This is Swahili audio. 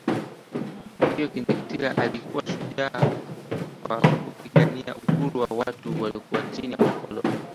Kwa hiyo Kinjekitile alikuwa shujaa kwa kupigania uhuru wa watu waliokuwa chini ya ukoloni